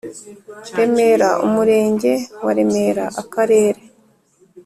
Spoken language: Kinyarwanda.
Remera Umurenge wa Remera Akarere